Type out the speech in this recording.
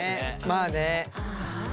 まあね。